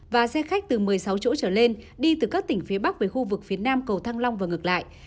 và xe khách từ một mươi sáu chỗ trở lên đi từ các tỉnh phía bắc về khu vực phía nam cầu thăng long và ngược lại